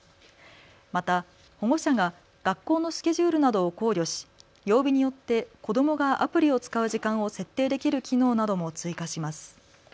また保護者が学校のスケジュールなどを考慮し曜日によって子どもがアプリを使う時間を設定できる機能なども追加します。